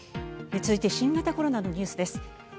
続いて新型コロナのニュースです。